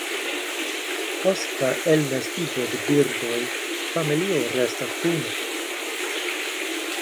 Post la elnestiĝo de birdoj, familio restas kune.